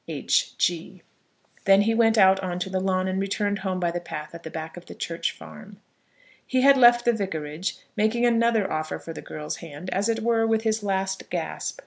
H. G." Then he went out on to the lawn, and returned home by the path at the back of the church farm. He had left the vicarage, making another offer for the girl's hand, as it were, with his last gasp.